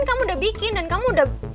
kamu udah bikin dan kamu udah